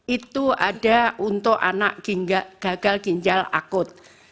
itu ada untuk anak gagal ginjal akut